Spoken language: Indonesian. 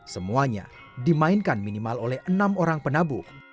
semuanya dimainkan minimal oleh enam orang penabuk